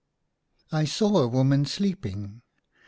SAW a woman sleeping.